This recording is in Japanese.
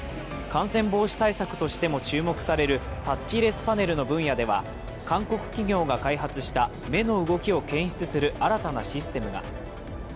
感染防止対策としても注目されるタッチレスパネルの分野では、韓国企業が開発した、目の動きを検出する新たなシステムが。